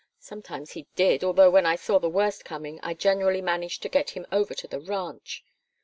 Sometimes he did, although when I saw the worst coming I generally managed to get him over to the ranch.